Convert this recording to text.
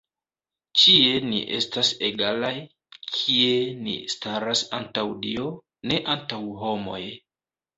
Ĉie ni estas egalaj, kie ni staras antaŭ Dio, ne antaŭ homoj.